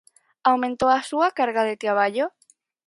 Aumentou a súa carga de traballo?